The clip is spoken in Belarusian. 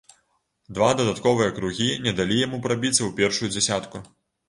Два дадатковыя кругі не далі яму прабіцца ў першую дзясятку.